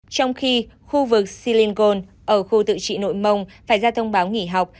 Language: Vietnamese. trong khi khu vực silingol ở khu tự trị nội mông phải ra thông báo nghỉ học